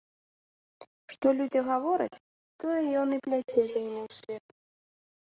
Што людзі гавораць, тое і ён пляце за імі ўслед.